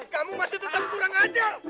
kamu masih tetap kurang aja